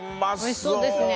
おいしそうですね。